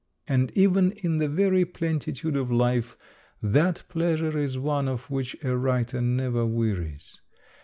And even in the very plenitude of life that pleas ure is one of which a writer never wearies.